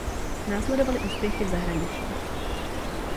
Následovaly úspěchy v zahraničí.